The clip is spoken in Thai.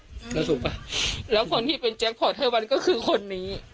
แล้วถูกป่ะแล้วคนที่เป็นแจ็คพอร์ตเทอร์วันก็คือคนนี้